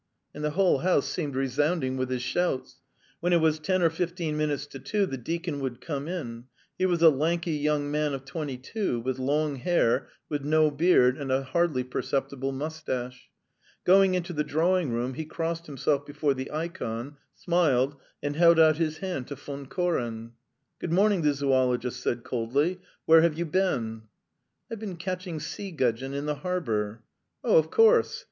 And the whole house seemed resounding with his shouts. When it was ten or fifteen minutes to two the deacon would come in; he was a lanky young man of twenty two, with long hair, with no beard and a hardly perceptible moustache. Going into the drawing room, he crossed himself before the ikon, smiled, and held out his hand to Von Koren. "Good morning," the zoologist said coldly. "Where have you been?" "I've been catching sea gudgeon in the harbour." "Oh, of course.